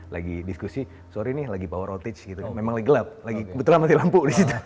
lagi diskusi sorry nih lagi power outage gitu kan memang lagi gelap lagi betul betul mati lampu di situ